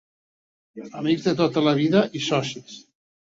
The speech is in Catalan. Amics de tota la vida i socis.